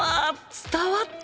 伝わった！